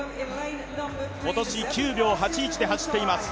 今年９秒８１で走っています